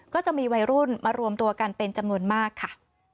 ก็จะมีวัยรุ่นมารวมตัวกันเป็นจำนวนมากค่ะ